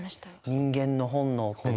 人間の本能って。